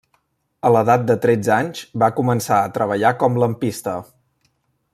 A l'edat de tretze anys va començar a treballar com lampista.